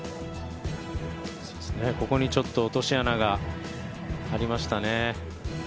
ここにちょっと落とし穴がありましたね。